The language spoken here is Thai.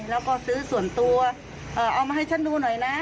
แล้วก็ซื้อส่วนตัวเอามาให้ฉันดูหน่อยนะ